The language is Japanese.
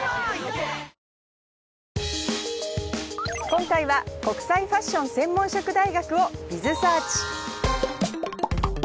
今回は国際ファッション専門職大学を。